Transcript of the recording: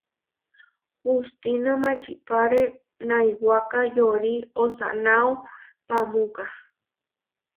Hustína mačipáre naiwáka yorí osanáo paamúka.